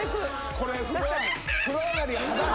これ。